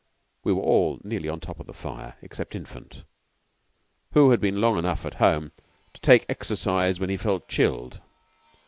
We were all nearly on top of the fire, except Infant, who had been long enough at home to take exercise when he felt chilled.